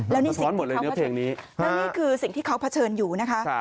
แล้วนี่คือสิ่งที่เขาเผชิญอยู่นะคะ